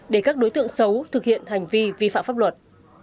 để các đối tượng xấu thực hiện hành vi vi phạm pháp luật